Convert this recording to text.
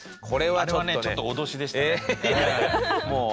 あれはねちょっと脅しでしたね。